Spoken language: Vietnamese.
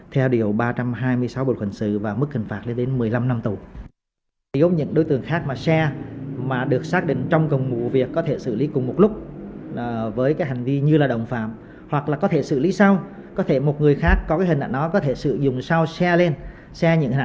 theo cục an toàn thông tin